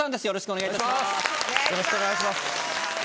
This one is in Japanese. よろしくお願いします。